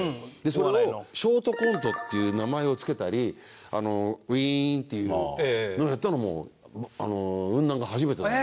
それを「ショートコント」っていう名前を付けたり「ウィーン」っていうのをやったのもウンナンが初めてなの。